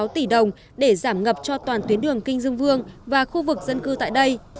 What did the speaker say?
sáu tỷ đồng để giảm ngập cho toàn tuyến đường kinh dương vương và khu vực dân cư tại đây